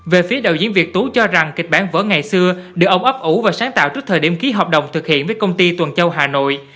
về phía đạo diễn việt tú cho rằng kịch bản vỡ ngày xưa được ông ấp ủ và sáng tạo trước thời điểm ký hợp đồng thực hiện với công ty tuần châu hà nội